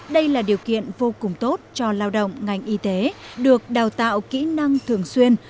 đây là điều kiện vô cùng tốt cho lao động ngành y tế được đào tạo kỹ năng thường xuyên